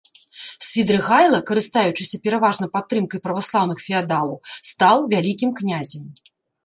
Свідрыгайла, карыстаючыся пераважна падтрымкай праваслаўных феадалаў, стаў вялікім князем.